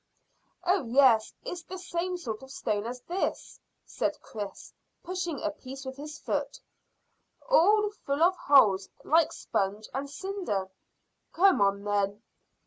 "Oh yes; it's the same sort of stone as this," said Chris, pushing a piece with his foot, "all full of holes, like sponge and cinder." "Come on, then."